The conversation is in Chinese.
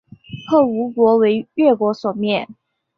后吴国为越国所灭。